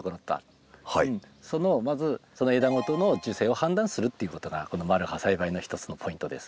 まずその枝ごとの樹勢を判断するっていうことがこの丸葉栽培の一つのポイントです。